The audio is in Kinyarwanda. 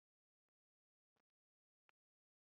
ibibazo urubyiruko